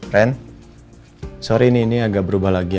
ren sorry ini agak berubah lagi